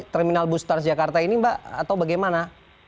terminal bus transjakarta ini mbak atau bagaimana